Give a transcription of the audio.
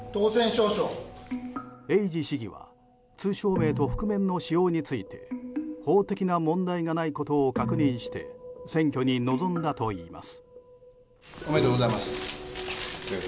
エイジ市議は通称名と覆面の使用について法的な問題がないことを確認して選挙に臨んだといいます。